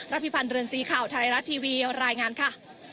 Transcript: พิพันธ์เรือนสีข่าวไทยรัฐทีวีรายงานค่ะ